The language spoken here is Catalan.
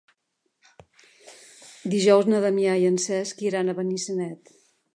Dijous na Damià i en Cesc iran a Benissanet.